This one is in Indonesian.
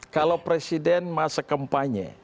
kalau presiden masa kampanye